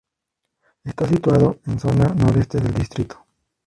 Está situado en zona noroeste del distrito.